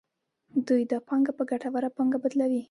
دوی دا پانګه په ګټوره پانګه بدلوي